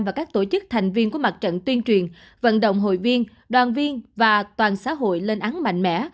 và các tổ chức thành viên của mặt trận tuyên truyền vận động hội viên đoàn viên và toàn xã hội lên án mạnh mẽ